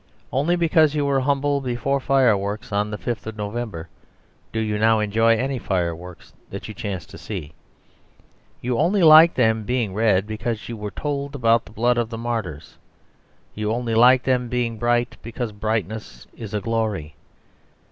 Only because you were humble before fireworks on the fifth of November do you now enjoy any fireworks that you chance to see. You only like them being red because you were told about the blood of the martyrs; you only like them being bright because brightness is a glory.